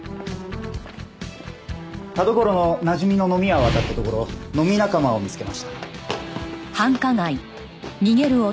田所のなじみの飲み屋をあたったところ飲み仲間を見つけました。